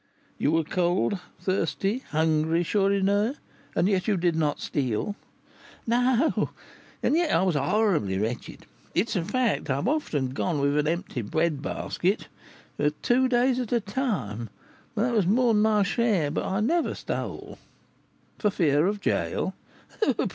"You were cold, thirsty, hungry, Chourineur, and yet you did not steal?" "No; and yet I was horribly wretched. It's a fact, that I have often gone with an empty bread basket (fasted) for two days at a time: that was more than my share; but I never stole." "For fear of a gaol?"